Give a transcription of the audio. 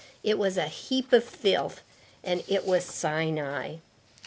It was a heap of filth and it was Sinai.